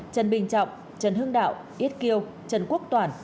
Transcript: trần bình trọng trần hương đạo ít kiêu trần quốc toản